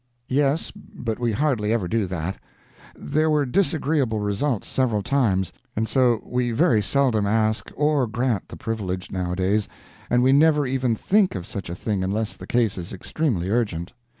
"Yes, but we hardly ever do that. There were disagreeable results, several times, and so we very seldom ask or grant the privilege, nowadays, and we never even think of such a thing unless the case is extremely urgent.